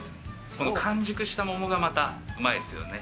その完熟した桃が、またうまいですね。